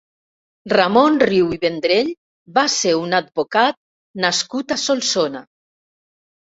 Ramon Riu i Vendrell va ser un advocat nascut a Solsona.